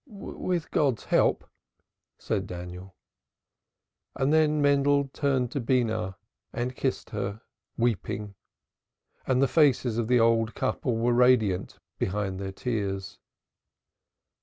"With God's help," said Daniel. And then Mendel turned to Beenah and kissed her, weeping, and the faces of the old couple were radiant behind their tears.